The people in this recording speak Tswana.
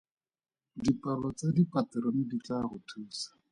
Dipalo tsa dipaterone di tlaa go thusa.